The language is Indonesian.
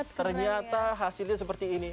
ternyata hasilnya seperti ini